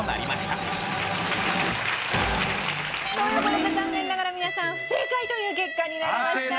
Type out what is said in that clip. という事で残念ながら皆さん不正解という結果になりました。